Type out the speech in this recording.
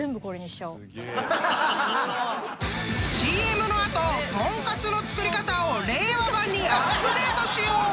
［ＣＭの後豚カツの作り方を令和版にアップデートしよう！］